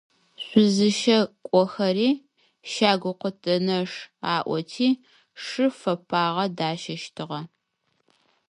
Шъузыщэ кӏохэри щагукъыдэнэш аӏоти шы фэпагъэ зыдащэщтыгъэ.